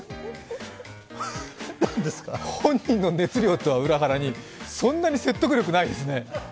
本人の熱量とは裏腹に、そんなに説得力ないですね。